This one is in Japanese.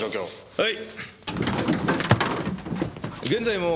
はい。